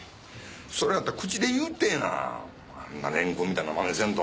それやったら口で言うてえなあんな連行みたいなまねせんと。